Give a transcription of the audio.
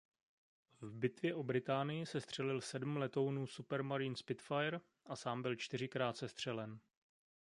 V bitvě o Británii sestřelil sedm letounů Supermarine Spitfire a sám byl čtyřikrát sestřelen.